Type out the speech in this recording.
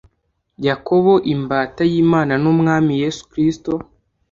Yakobo imbata y Imana n Umwami Yesu Kristo